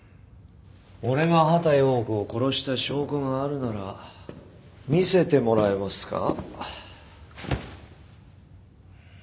俺が畑葉子を殺した証拠があるなら見せてもらえますか？